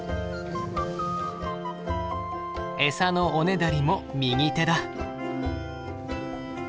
エサのおねだりも右手だ。